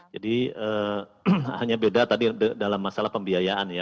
jadi hanya beda tadi dalam masalah pembiayaan ya